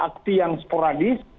akti yang sporadis